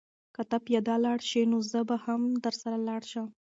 که ته پیاده لاړ شې نو زه به هم درسره لاړ شم.